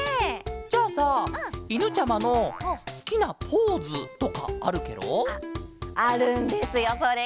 じゃあさいぬちゃまのすきなポーズとかあるケロ？あるんですよそれが。